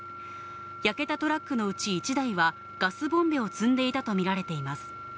焼けたトラックのうち１台はガスボンベを積んでいたと見られています。